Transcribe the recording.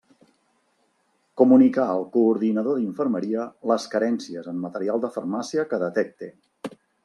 Comunicar al Coordinador d'Infermeria les carències en material de farmàcia que detecte.